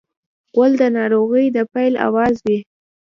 غول د ناروغۍ د پیل اواز وي.